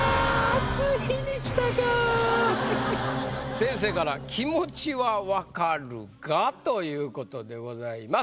先生から「気持ちは分かるが」ということでございます。